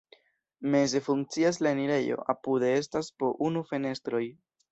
Meze funkcias la enirejo, apude estas po unu fenestroj.